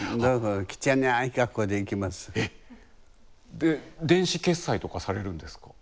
で電子決済とかされるんですか？